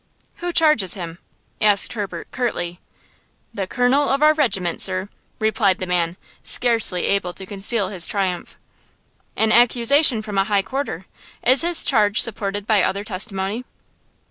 "Who charges him?" asked Herbert, curtly. "The Colonel of our regiment, sir," replied the man, scarcely able to conceal his triumph. "An accusation from a high quarter. Is his charge supported by other testimony?"